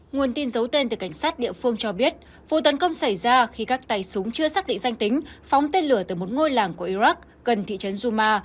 nguồn tin giấu tên từ cảnh sát địa phương cho biết vụ tấn công xảy ra khi các tay súng chưa xác định danh tính phóng tên lửa từ một ngôi làng của iraq gần thị trấn duma